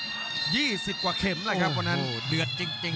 มวยไทยครับคนที่ฝึกมวยนั้นสภาพร่างกายดูครับแข็งแรงแข็งแรงจริงจริง